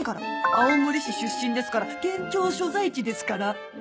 「青森市出身ですから県庁所在地ですから！」。